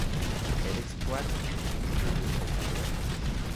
Elle exploite une couche de de profondeur.